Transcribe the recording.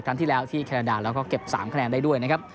ครั้งที่แล้วที่แคนาดาแล้วก็เก็บ๓คะแนนได้ด้วยนะครับ